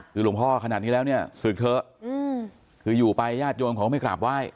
คือหลวงพ่อขนาดนี้แล้วเนี่ยศึกเถอะคืออยู่ไปญาติโยมเขาก็ไม่กราบไหว้